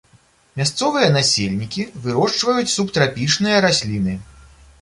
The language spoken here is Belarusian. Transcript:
Мясцовыя насельнікі вырошчваюць субтрапічныя расліны.